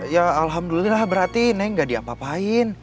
ya alhamdulillah berarti neng gak diapa apain